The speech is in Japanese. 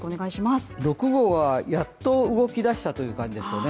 ６号はやっと動きだしたという感じですよね。